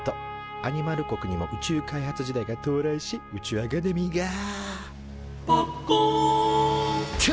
アニマル国にも宇宙開発時代が到来し宇宙アカデミーが「ぱっこん！」と誕生。